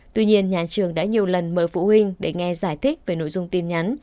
tuy nhiên nhà trường đã nhiều lần mời phụ huynh để nghe giải thích về nội dung tin nhắn